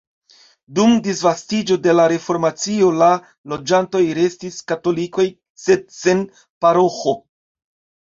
Dum disvastiĝo de la reformacio la loĝantoj restis katolikoj sed sen paroĥo.